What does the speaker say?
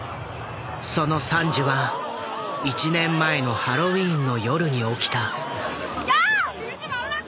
その惨事は１年前のハロウィーンの夜に起きた。